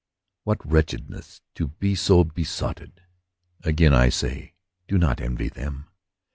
What wretchedness to be so besotted ! Again, I say, do not envy them.